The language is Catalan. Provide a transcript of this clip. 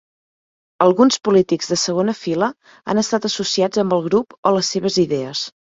Alguns polítics de segona fila han estat associats amb el grup o les seves idees.